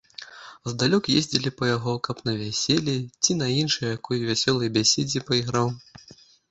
Здалёк ездзілі па яго, каб на вяселлі ці на іншай якой вясёлай бяседзе пайграў.